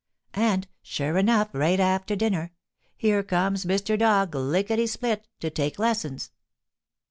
And, sure enough right after dinner, here comes Mr. Dog, lickety split, to take lessons.